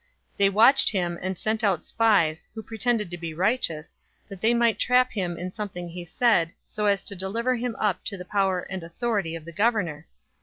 020:020 They watched him, and sent out spies, who pretended to be righteous, that they might trap him in something he said, so as to deliver him up to the power and authority of the governor.